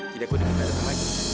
jadi aku diminta datang lagi